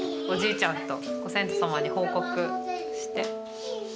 おじいちゃんとご先祖様に報告して。